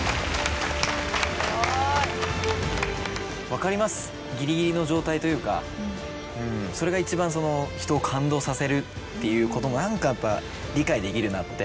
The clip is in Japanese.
分かりますギリギリの状態というかそれが一番人を感動させるっていうことも何かやっぱ理解できるなって。